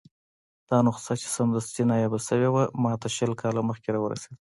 دا نسخه چې سمدستي نایابه شوې وه، ماته شل کاله مخکې راورسېده.